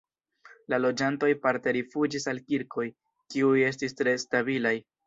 La loĝantoj parte rifuĝis al kirkoj, kiuj estis tre stabilaj.